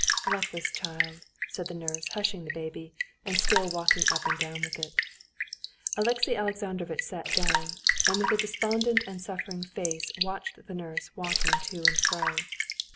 "Luckless child!" said the nurse, hushing the baby, and still walking up and down with it. Alexey Alexandrovitch sat down, and with a despondent and suffering face watched the nurse walking to and fro.